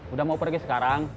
udah mau pergi sekarang